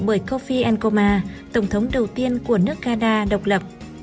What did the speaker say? bởi kofi nkoma tổng thống đầu tiên của nước canada độc lập